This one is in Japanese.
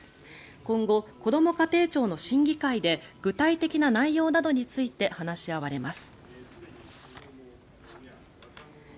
今後、こども家庭庁の審議会で具体的な内容などについて話し合われます。